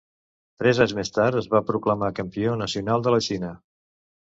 Tres anys més tard es va proclamar Campió Nacional de la Xina.